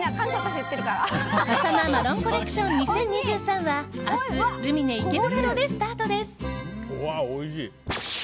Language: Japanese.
「笠間マロンコレクション２０２３」は明日ルミネ池袋でスタートです。